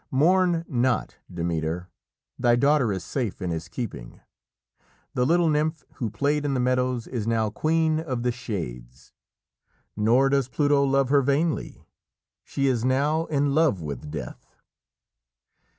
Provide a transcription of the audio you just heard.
Mourn not, Demeter. Thy daughter is safe in his keeping. The little nymph who played in the meadows is now Queen of the Shades. Nor does Pluto love her vainly. She is now in love with Death."